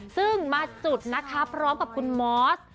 ซึ่งมาจุดนะคะพร้อมกับคุณมอส